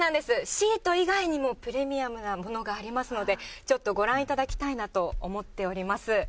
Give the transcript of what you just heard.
シート以外にもプレミアムなものがありますので、ちょっとご覧いただきたいなと思っております。